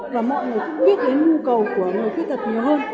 và mọi người cũng biết đến nhu cầu của người khuyết tật nhiều hơn